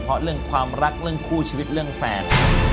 เพราะเรื่องความรักเรื่องคู่ชีวิตเรื่องแฟน